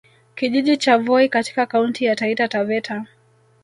Kijiji cha Voi katika Kaunti ya Taifa Taveta